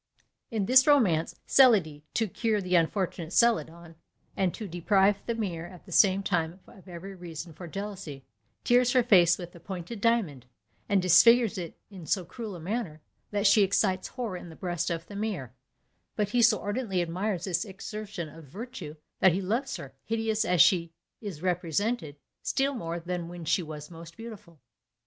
In this romance, Celidée, to cure the unfortunate Celadon, and to deprive Thamire at the same time of every reason for jealousy, tears her face with a pointed diamond, and disfigures it in so cruel a manner, that she excites horror in the breast of Thamire; but he so ardently admires this exertion of virtue, that he loves her, hideous as she is represented, still more than when she was most beautiful.